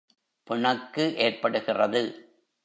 பிணக்கு ஏற்படுகிறது.